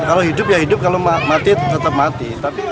kalau hidup ya hidup kalau mati tetap mati